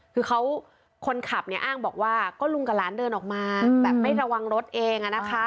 คือเขาคนขับเนี่ยอ้างบอกว่าก็ลุงกับหลานเดินออกมาแบบไม่ระวังรถเอง